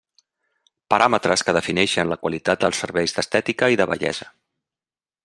Paràmetres que defineixen la qualitat dels serveis d'estètica i de bellesa.